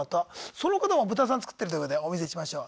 その方もブタさん作ってるということでお見せしましょう。